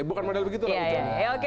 bukan model begitu lah misalnya